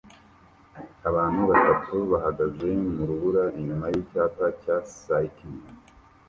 Abantu batatu bahagaze mu rubura inyuma yicyapa cya Skiing